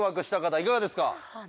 いかがですか？